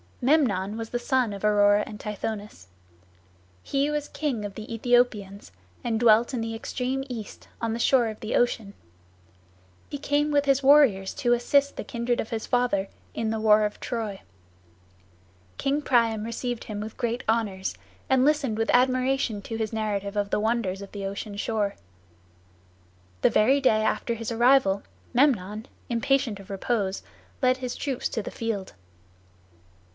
Memnon was the son of Aurora and Tithonus. He was king of the Aethiopians, and dwelt in the extreme east, on the shore of Ocean. He came with his warriors to assist the kindred of his father in the war of Troy. King Priam received him with great honors, and listened with admiration to his narrative of the wonders of the ocean shore. The very day after his arrival, Memnon, impatient of repose, led his troops to the field.